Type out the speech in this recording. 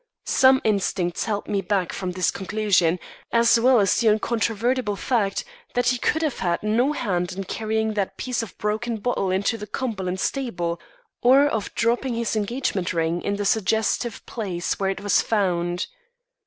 Some instinct held me back from this conclusion, as well as the incontrovertible fact that he could have had no hand in carrying that piece of broken bottle into the Cumberland stable, or of dropping his engagement ring in the suggestive place where it was found.